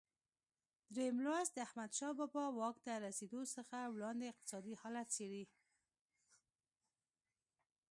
درېم لوست د احمدشاه بابا واک ته رسېدو څخه وړاندې اقتصادي حالت څېړي.